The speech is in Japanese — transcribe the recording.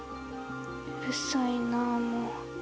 うるさいなぁもう。